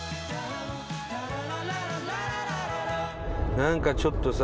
何かちょっとさ